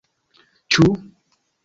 Ĉu?